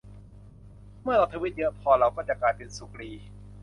เมื่อเราทวีตเยอะพอ เราจะกลายเป็นสุกรี